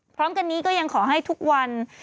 พร้อมกันนี้ก็ยังขอให้ทุกวัน